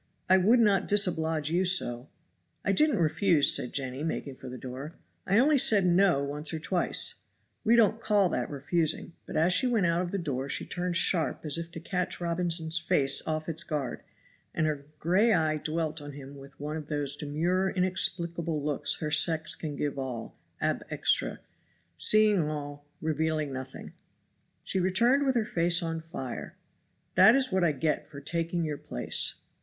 I would not disoblige you so." "I didn't refuse," said Jenny, making for the door; "I only said 'no' once or twice we don't call that refusing;" but as she went out of the door she turned sharp as if to catch Robinson's face off its guard; and her gray eye dwelt on him with one of those demure, inexplicable looks her sex can give all ab extra seeing all, revealing nothing. She returned with her face on fire. "That is what I get for taking your place!"